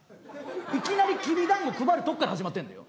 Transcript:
いきなりきび団子配るとこから始まってんのよ。